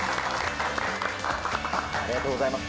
ありがとうございます。